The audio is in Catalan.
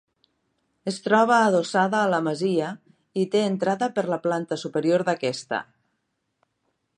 Es troba adossada a la masia, i té entrada per la planta superior d'aquesta.